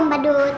sampai jumpa lagi